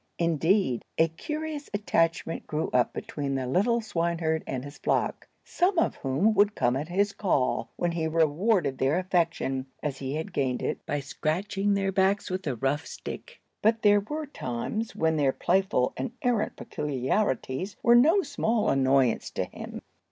Indeed, a curious attachment grew up between the little swineherd and his flock, some of whom would come at his call, when he rewarded their affection, as he had gained it, by scratching their backs with a rough stick. But there were times when their playful and errant peculiarities were no small annoyance to him.